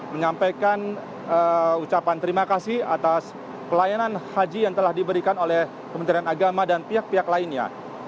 menyampaikan ucapan terima kasih atas pelayanan haji yang telah diberikan oleh kementerian agama dan pihak pihak lainnya